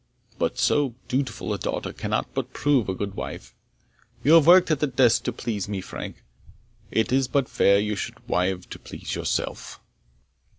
But so dutiful a daughter cannot but prove a good wife. You have worked at the desk to please me, Frank; it is but fair you should wive to please yourself."